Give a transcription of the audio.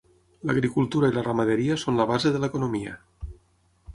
L'agricultura i la ramaderia són la base de l'economia.